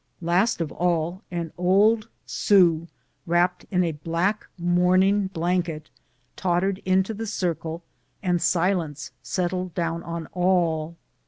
Last of all an old Sioux, wrapped in a black mourning blanket, tottered into the circle, and silence settled down on all.